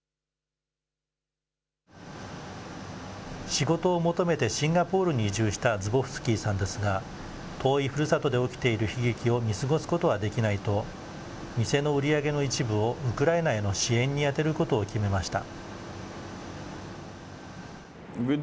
仕事を求めてシンガポールに移住したズボフスキーさんですが、遠いふるさとで起きている悲劇を見過ごすことはできないと、店の売り上げの一部をウクライナへの支援に充てることを決めました。